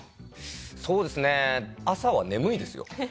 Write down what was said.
そうですね朝は眠いですよ。